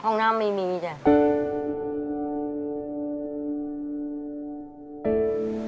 ห้องน้ำไม่มีจ้ะ